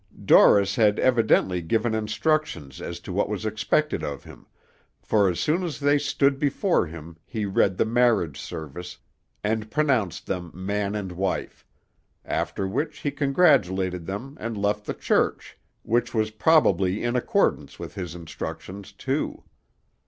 Dorris had evidently given instructions as to what was expected of him, for as soon as they stood before him he read the marriage service, and pronounced them man and wife; after which he congratulated them and left the church, which was probably in accordance with his instructions, too.